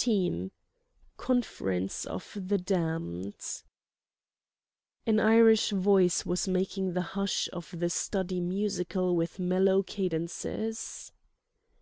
XIV CONFERENCE OF THE DAMNED An Irish voice was making the hush of the study musical with mellow cadences.